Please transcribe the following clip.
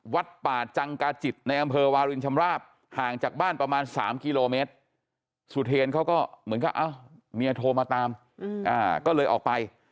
วัดป่าจังกาจิตในอำเภอวาลินชำราบห่างจากบ้านประมาณ๓กิโลเมตรสุเทนเขาก็เหมือนกับเมียโทรมาตามก็เลยออกไป